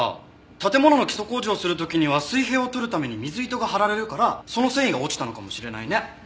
建物の基礎工事をする時には水平を取るために水糸が張られるからその繊維が落ちたのかもしれないね。